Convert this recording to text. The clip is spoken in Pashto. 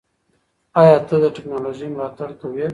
ایا ته د ټیکنالوژۍ ملاتړ کوې؟